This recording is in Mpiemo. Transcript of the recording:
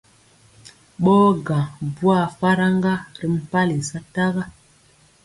Ɓɔɔ gaŋ bwaa faraŋga ri mpali sataga.